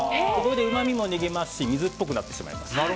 これでうまみも逃げますし水っぽくなってしまいます。